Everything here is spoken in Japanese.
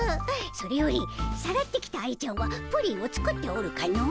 それよりさらってきた愛ちゃんはプリンを作っておるかの？